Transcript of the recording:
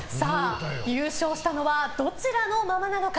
優勝したのはどちらのママなのか。